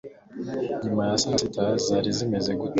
nyuma ya saa sita zari zimeze gute